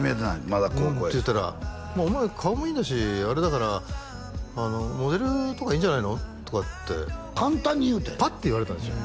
まだ高校やし「お前顔もいいんだしあれだから」「モデルとかいいんじゃないの？」とかって簡単に言うたんやパッて言われたんですよ